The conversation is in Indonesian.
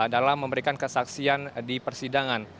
dalam memberikan kesaksian di persidangan